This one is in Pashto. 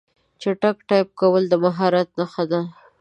چټک ټایپ کول د مهارت نښه ده.